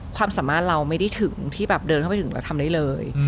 ความสามารถเราไม่ได้ถึงที่แบบเดินเข้าไปถึงแล้วทำได้เลย